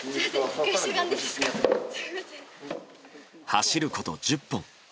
走ること１０本。